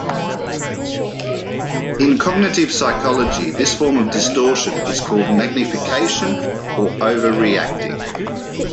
In cognitive psychology, this form of distortion is called magnification or overreacting.